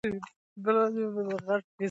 موږ باید د ناسم دودونو مخه ونیسو.